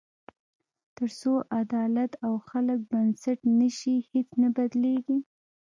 تر څو عدالت او خلک بنسټ نه شي، هیڅ نه بدلېږي.